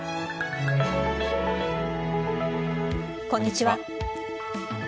こんにちは。